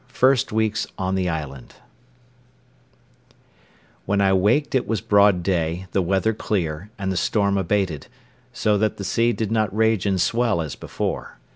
FIRST WEEKS ON THE ISLAND When I waked it was broad day, the weather clear, and the storm abated, so that the sea did not rage and swell as before.